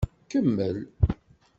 Kemmel!